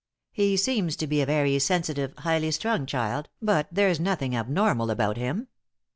He seems to be a very sensitive, highly strung child, but there's nothing abnormal about him.